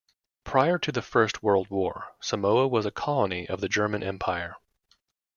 Prior to the First World War, Samoa was a colony of the German Empire.